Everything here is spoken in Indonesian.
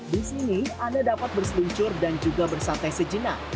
di sini anda dapat berseluncur dan juga bersantai sejenak